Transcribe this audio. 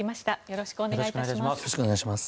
よろしくお願いします。